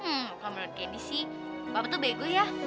hmm kalau menurut kd sih bapak tuh bego ya